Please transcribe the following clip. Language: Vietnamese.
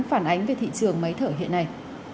phản ánh về thị trường máy thở hiện nay